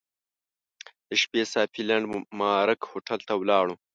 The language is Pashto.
د شپې صافي لینډ مارک هوټل ته ولاړو.